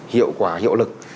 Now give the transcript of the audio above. hiệu quả hiệu lực